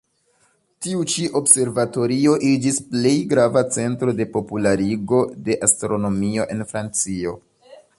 Tiu-ĉi observatorio iĝis plej grava centro de popularigo de astronomio en Francio.